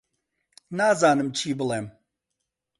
نازانم جێ بڵێم